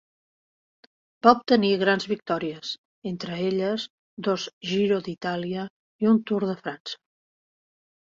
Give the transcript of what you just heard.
Va obtenir grans victòries, entre elles dos Giro d'Itàlia i un Tour de França.